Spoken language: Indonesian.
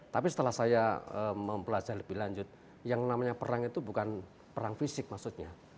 tapi setelah saya mempelajah lebih lanjut yang namanya perang itu bukan perang fisik maksudnya